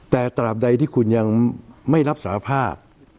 แต่ตราบใดที่คุณยังไม่รับสารภาพ